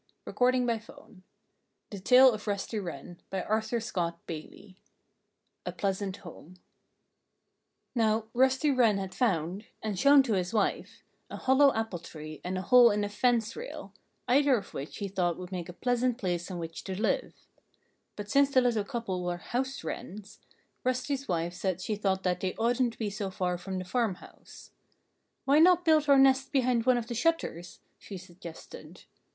A STRANGE MISTAKE 114 THE TALE OF RUSTY WREN I A PLEASANT HOME Now, Rusty Wren had found and shown to his wife a hollow apple tree and a hole in a fence rail, either of which he thought would make a pleasant place in which to live. But since the little couple were house wrens, Rusty's wife said she thought that they oughtn't to be so far from the farmhouse. "Why not build our nest behind one of the shutters?" she suggested.